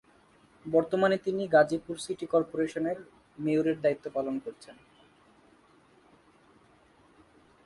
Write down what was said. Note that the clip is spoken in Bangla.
বর্তমানে তিনি গাজীপুর সিটি কর্পোরেশন এর মেয়রের দায়িত্ব পালন করছেন।